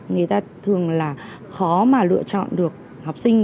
người ta thường là khó mà lựa chọn được học sinh